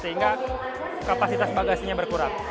sehingga kapasitas bagasinya berkurang